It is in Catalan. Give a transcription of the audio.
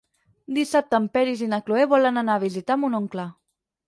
Dissabte en Peris i na Cloè volen anar a visitar mon oncle.